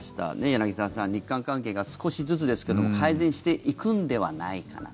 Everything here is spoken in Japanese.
柳澤さん、日韓関係が少しずつですけども改善していくんではないかな。